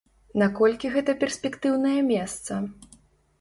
Наколькі гэта перспектыўнае месца?